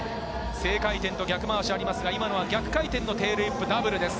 正回転と逆回しありますが、今は逆回転のテールウィップ、ダブルです。